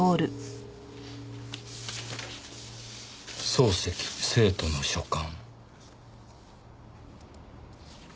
漱石生徒の書簡。